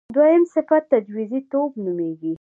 دویم صفت تجویزی توب نومېږي.